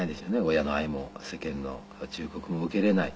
親の愛も世間の忠告も受けれない